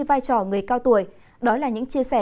vai trò người cao tuổi đó là những chia sẻ